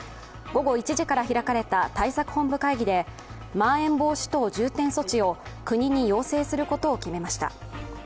午後１時から開かれた対策本部会議でまん延防止等重点措置を国に要請することを決めました。